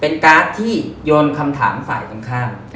เป็นการ์ดที่โยนคำถามฝ่ายต่าง